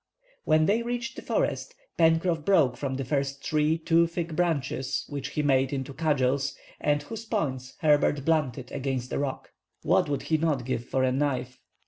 When they reached the forest, Pencroff broke from the first tree two thick branches which he made into cudgels, and whose points Herbert blunted against a rock. What would he not have given for a knife?